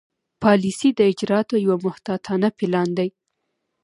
پالیسي د اجرااتو یو محتاطانه پلان دی.